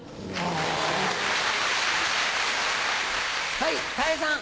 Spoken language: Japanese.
はいたい平さん。